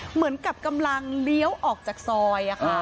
เหมือนกับกำลังเลี้ยวออกจากซอย